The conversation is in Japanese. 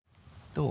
どう？